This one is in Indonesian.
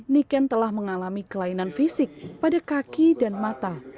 niken telah mengalami kelainan fisik pada kaki dan mata